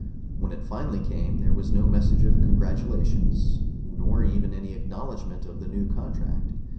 When it finally came, there was no message of congratulations, nor even any acknowledgment of the new contract.